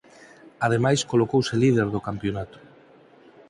Ademais colocouse líder do campionato.